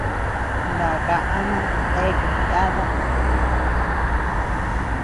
Naka ama deakea yáda.